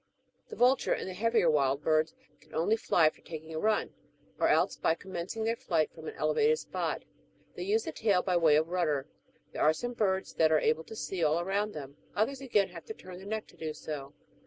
The vulture and the heavier wild birds can only fly after taking a run, or else by commencing their flight from an elevated spot. They use the tail by way of rudder. There are some birds that are able to see all around them ; others, again, have to turn the neck to do so.